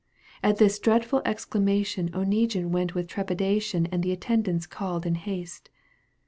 at this dreadftd exclamation Oneguine went with trepidation And the attendants caHed in haste.